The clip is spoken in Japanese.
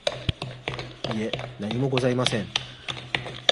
いえ、何もございません。